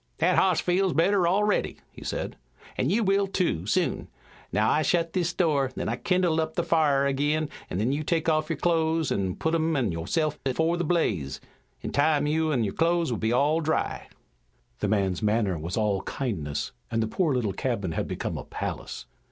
"That hoss feels better already," he said, "an' you will, too, soon. Now, I shet this door, then I kindle up the fire ag'in, then you take off your clothes an' put them an' yo'self afore the blaze. In time you an' your clothes are all dry." The man's manner was all kindness, and the poor little cabin had become a palace.